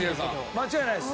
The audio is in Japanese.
間違いないです。